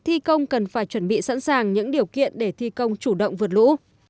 thi công cần phải chuẩn bị sẵn sàng những điều kiện để thi công chủ động vượt lũ